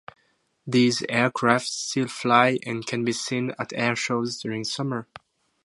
These aircraft still fly and can be seen at air shows during summer.